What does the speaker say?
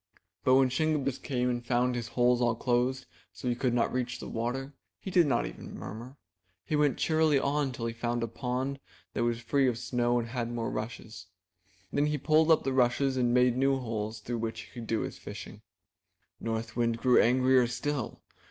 But when Shingebiss came and found his holes all closed so he could not reach the water, he did not even murmur. He went cheerily on till he found a pond that was free of snow and had more rushes. 340 IN THE NURSERY Then he pulled up the rushes and made new holes through which he could do his fishing. North Wind grew angrier still.